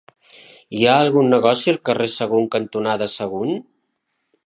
Hi ha algun negoci al carrer Sagunt cantonada Sagunt?